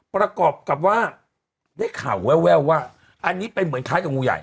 ประกอบกับว่าได้ข่าวแววว่าอันนี้เป็นเหมือนคล้ายกับงูใหญ่